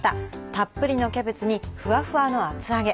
たっぷりのキャベツにふわふわの厚揚げ。